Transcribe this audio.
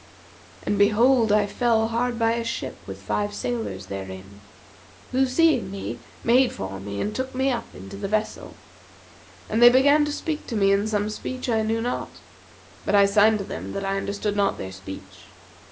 And behold I fell hard by a ship with five sailors therein, who seeing me, made for me and took me up into the vessel; and they began to speak to me in some speech I knew not; but I signed to them that I understood not their speech.